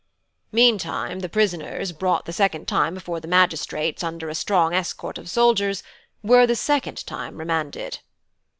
Meantime the prisoners, brought the second time before the magistrates under a strong escort of soldiers, were the second time remanded.